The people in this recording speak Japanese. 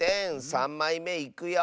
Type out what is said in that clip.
３まいめいくよ。